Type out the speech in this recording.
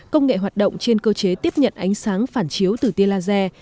công nghệ hoạt động trên cơ chế tiếp nhận ánh sáng phản chiếu từ tia laser